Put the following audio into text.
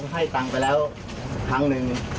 เขาให้ตังไปแล้วทั้งหนึ่ง